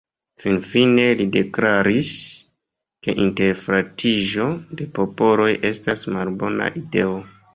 Finfine li deklaris, ke interfratiĝo de popoloj estas malbona ideo.